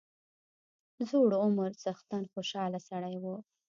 زوړ عمر څښتن خوشاله سړی وو.